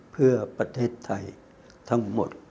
เพื่อประเทศไทยทั้งหมด